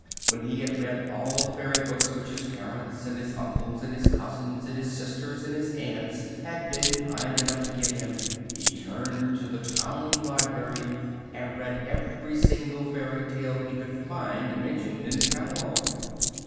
When he had read all the fairy books which his parents and his uncles and his cousins and his sisters and his aunts had been kind enough to give him, he turned to the town library and read every single fairy tale he could find mentioned in the catalogue.